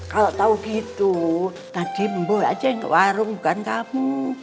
kalau tahu gitu tadi mbo aja yang ke warung bukan kamu